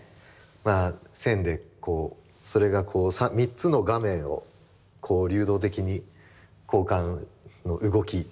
まあ線でそれがこう３つの画面を流動的に交換の動き